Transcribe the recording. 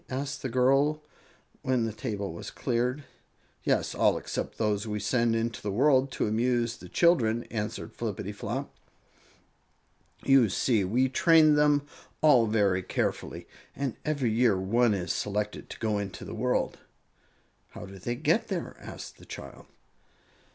asked the girl, when the table was cleared. "Yes, all except those we send into the world to amuse the children," answered Flippityflop. "You see, we train them all very carefully, and every year one is selected to go into the world." "How do they get there?" asked the child.